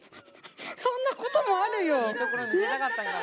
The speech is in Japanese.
そんなこともあるよ